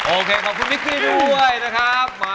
โอเคขอบคุณมิกกี้ด้วยนะครับ